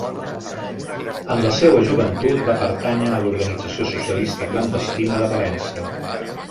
En la seua joventut va pertànyer a l'organització socialista clandestina de València.